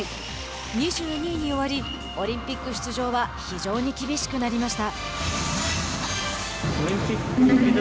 ２２位に終わりオリンピック出場は非常に厳しくなりました。